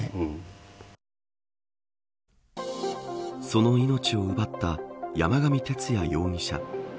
その命を奪った山上徹也容疑者。